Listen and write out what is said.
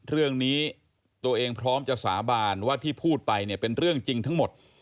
เรื่องนี้ตัวเองพร้อมจะสาบานว่าที่พูดไปเนี่ยเป็นเรื่องจริงทั้งหมด